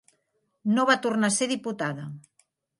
No va tornar a ser diputada.